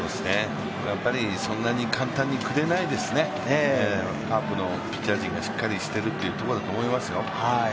そんなに簡単にくれないですね、カープのピッチャー陣がしっかりしているというところだと思いますよ。